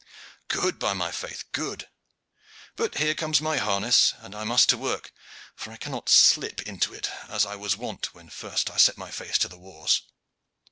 "Good, by my faith, good! But here comes my harness, and I must to work, for I cannot slip into it as I was wont when first I set my face to the wars."